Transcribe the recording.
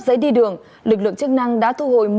giấy đi đường lực lượng chức năng đã thu hồi